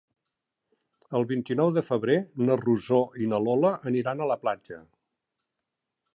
El vint-i-nou de febrer na Rosó i na Lola aniran a la platja.